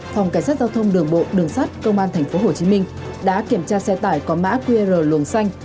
phòng cảnh sát giao thông đường bộ đường sát công an tp hcm đã kiểm tra xe tải có mã qr luồng xanh